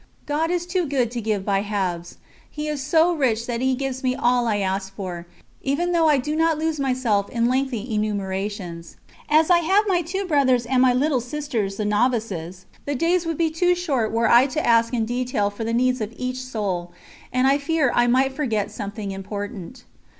God is too good to give by halves; He is so rich that He gives me all I ask for, even though I do not lose myself in lengthy enumerations. As I have two brothers and my little sisters, the novices, the days would be too short were I to ask in detail for the needs of each soul, and I fear I might forget something important.